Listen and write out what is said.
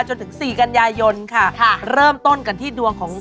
จนถึงสี่กันยายนค่ะค่ะเริ่มต้นกันที่ดวงของ